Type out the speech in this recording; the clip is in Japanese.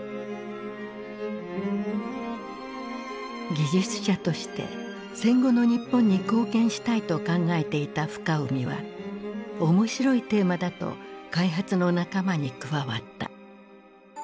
技術者として戦後の日本に貢献したいと考えていた深海は面白いテーマだと開発の仲間に加わった。